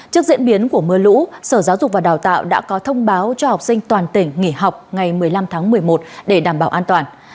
trước diễn biến của mưa lũ sở giáo dục và đào tạo đã có thông báo cho học sinh toàn tỉnh nghỉ học ngày một mươi năm tháng một mươi một để đảm bảo an toàn